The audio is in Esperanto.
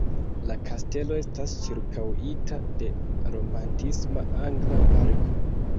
La kastelo estas ĉirkaŭita de romantisma angla parko.